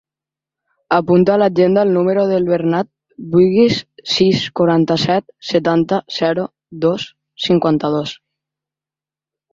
Apunta a l'agenda el número del Bernat Buigues: sis, quaranta-set, setanta, zero, dos, cinquanta-dos.